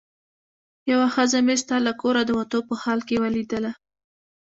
یوه ښځه مې ستا له کوره د وتو په حال کې ولیدله.